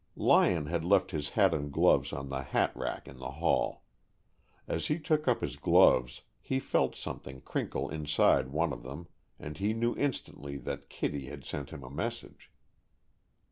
Lyon had left his hat and gloves on the hat rack in the hall. As he took up his gloves, he felt something crinkle inside one of them, and he knew instantly that Kittie had sent him a message.